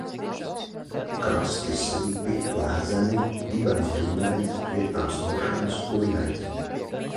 Krasti slīpi, lēzeni, dibens dūņains, vietām smilšains, oļains.